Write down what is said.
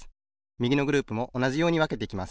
みぎのグループもおなじようにわけていきます。